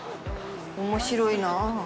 おもしろいなあ。